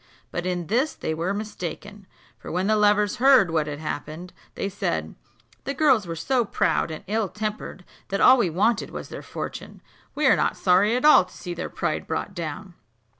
But in this they were mistaken; for when the lovers heard what had happened, they said, "The girls were so proud and ill tempered, that all we wanted was their fortune; we are not sorry at all to see their pride brought down.